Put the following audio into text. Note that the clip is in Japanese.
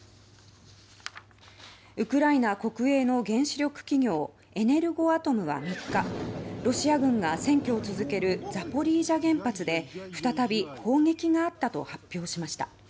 ウクライナ国営の原子力企業エネルゴアトムは３日ロシア軍が占拠を続けるザポリージャ原発で再び砲撃があったと発表しました。